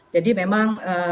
jadi memang ee